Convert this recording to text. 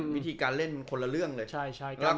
วิธีการเล่นมันคนละเรื่องเลย